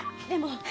でも。